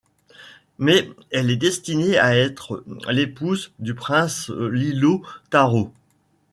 Mais elle est destinée à être l'épouse du prince Lilo-Taro.